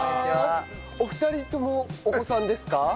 お二人ともお子さんですか？